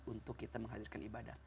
untuk kita menghadirkan ibadah